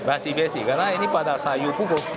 masih basic karena ini pada sayur pukul